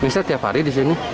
misalnya tiap hari di sini